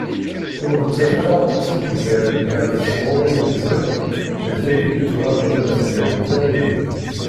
Ur nettaf ara aṭas n umgarad gar tesɣunin yezrin d tagi yetturaǧun ad d-tlal d tamaynut.